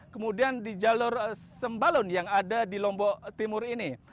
kemudian di jalur sembalun yang ada di lombok timur ini